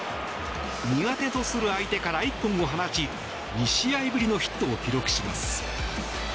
苦手とする相手から一本を放ち２試合ぶりのヒットを記録します。